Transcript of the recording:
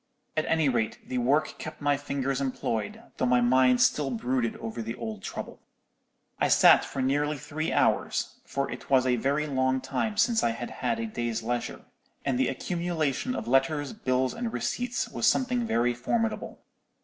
At any rate, the work kept my fingers employed, though my mind still brooded over the old trouble. "I sat for nearly three hours; for it was a very long time since I had had a day's leisure, and the accumulation of letters, bills, and receipts was something very formidable.